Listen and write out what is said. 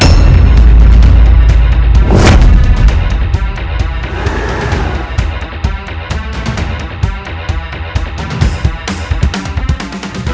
kau itu perintahmu